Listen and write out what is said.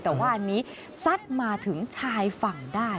แต่ว่าอันนี้ซัดมาถึงชายฝั่งได้